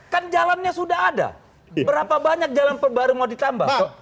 kan jalannya sudah ada berapa banyak jalan baru mau ditambah